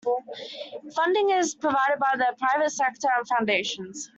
Funding is provided by the private sector and foundations.